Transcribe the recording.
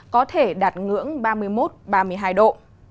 có thể đạt ngưỡng ba mươi một ba mươi hai độ